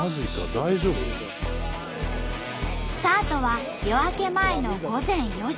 大丈夫？スタートは夜明け前の午前４時。